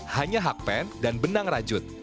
hanya hakpen dan benang rajut